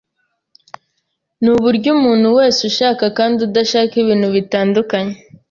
Nuburyo umuntu wese ushaka kandi udashaka ibintu bitandukanye